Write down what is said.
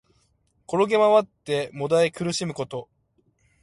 転げまわって悶え苦しむこと。